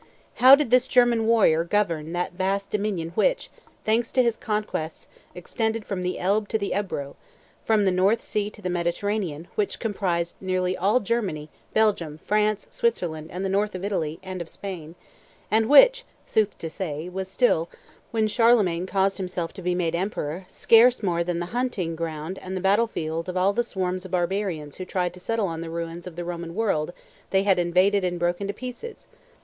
How did this German warrior govern that vast dominion which, thanks to his conquests, extended from the Elbe to the Ebro, from the North Sea to the Mediterranean; which comprised nearly all Germany, Belgium, France, Switzerland, and the north of Italy and of Spain, and which, sooth to say, was still, when Charlemagne caused himself to be made emperor, scarce more than the hunting ground and the battle field of all the swarms of barbarians who tried to settle on the ruins of the Roman world they had invaded and broken to pieces?